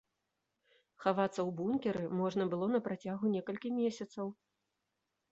Хавацца ў бункеры можна было на працягу некалькіх месяцаў.